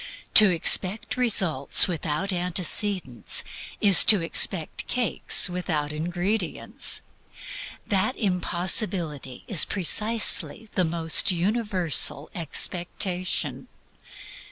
To expect results without antecedents is to expect cakes without ingredients. That impossibility is precisely THE ALMOST UNIVERSAL EXPECTATION.